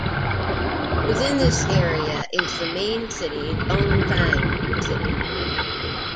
Within this area is the main city, Dongfang City.